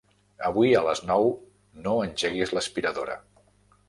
Avui a les nou no engeguis l'aspiradora.